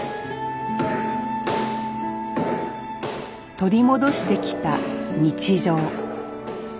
取り戻してきた日常。